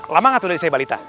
lama gak tuh dari saya balita